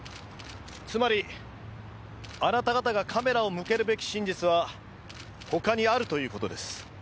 つまりあなた方がカメラを向けるべき真実は他にあるという事です。